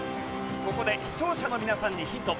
ここで視聴者の皆さんにヒント。